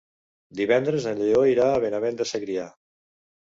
Divendres en Lleó irà a Benavent de Segrià.